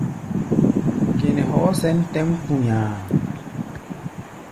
Gɛnɛ hɔɔ́ sɛ̌n tɛ̌ʼm kpu̧nya̧a̧.